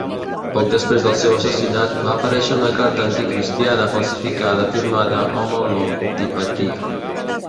Poc després del seu assassinat, va aparèixer una carta anticristiana falsificada firmada amb el nom d'Hypatia.